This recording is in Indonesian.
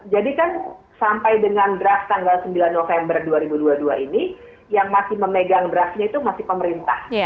jadi kan sampai dengan draft tanggal sembilan november dua ribu dua puluh dua ini yang masih memegang draftnya itu masih pemerintah